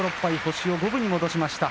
星を五分に戻しました。